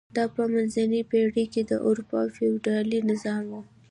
دا په منځنۍ پېړۍ کې د اروپا فیوډالي نظام و.